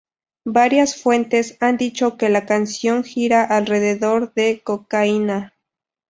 Varias fuentes han dicho que la canción gira alrededor de cocaína.